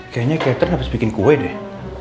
kayaknya gater gak bisa bikin kue deh